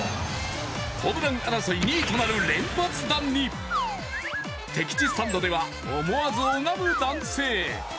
ホームラン争い２位となる連発弾に敵地スタンドでは思わず拝む男性。